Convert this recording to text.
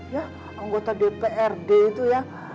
ya anggota dprd itu ya